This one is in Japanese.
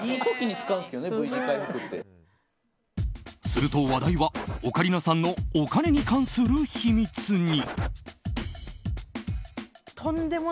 すると、話題はオカリナさんのお金に関する秘密に。